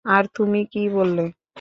আর তুমি কী বললে?